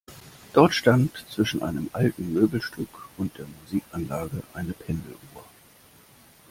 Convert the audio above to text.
Dort stand zwischen einem alten Möbelstück und der Musikanlage eine Pendeluhr.